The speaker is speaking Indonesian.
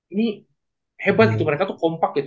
ini hebat mereka tuh kompak gitu